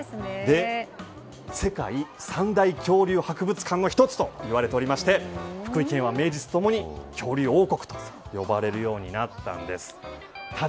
世界三大恐竜博物館の１つといわれていまして福井県は名実共に恐竜王国と呼ばれるようになったんです。